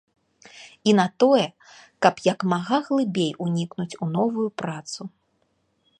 І на тое, каб як мага глыбей унікнуць у новую працу.